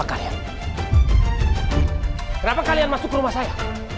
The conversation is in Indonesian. kalian masuk rumah saya